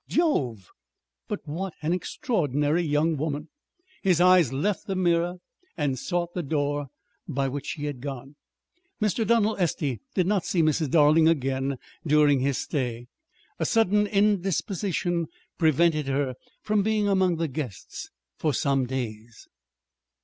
_ Jove! But what an extraordinary young woman!" His eyes left the mirror and sought the door by which she had gone. Mr. Donald Estey did not see Mrs. Darling again during his stay. A sudden indisposition prevented her from being among the guests for some days.